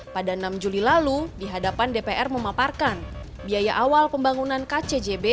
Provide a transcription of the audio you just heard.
pada enam juli lalu dihadapan dpr memaparkan biaya awal pembangunan kcjb